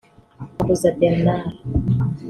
Makuza Bernard